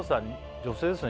女性ですね